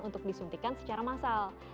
untuk disuntikan secara masal